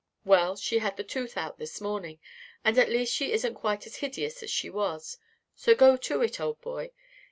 Well, she had the tooth out this morning, and at least she isn't quite as hideous as she was; so go to it, old boy.